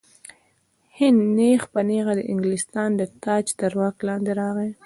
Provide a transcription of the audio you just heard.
هند نیغ په نیغه د انګلستان د تاج تر واک لاندې راغی.